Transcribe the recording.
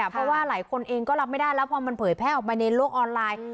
เพราะว่าหลายคนเองก็รับไม่ได้แล้วพอมันเผยแพร่ออกมาในโลกออนไลน์